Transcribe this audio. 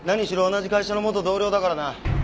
同じ会社の元同僚だからな。